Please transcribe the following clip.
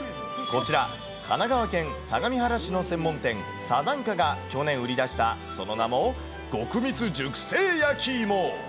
こちら、神奈川県相模原市の専門店、サザンカが去年売り出した、その名も極蜜熟成やきいも。